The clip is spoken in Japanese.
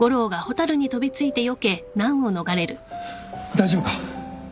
大丈夫か？